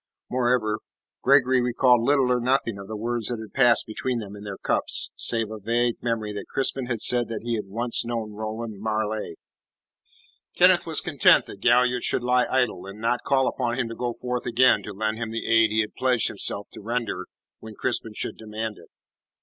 Moreover, Gregory recalled little or nothing of the words that had passed between them in their cups, save a vague memory that Crispin had said that he had once known Roland Marleigh. Kenneth was content that Galliard should lie idle, and not call upon him to go forth again to lend him the aid he had pledged himself to render when Crispin should demand it.